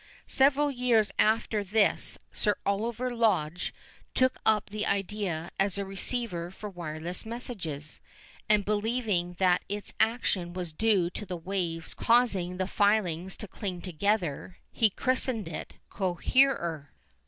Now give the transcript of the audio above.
Several years after this Sir Oliver Lodge took up the idea as a receiver for wireless messages, and believing that its action was due to the waves causing the filings to cling together, he christened it "Coherer."